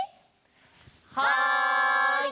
はい！